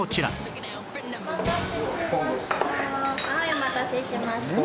はいお待たせしました。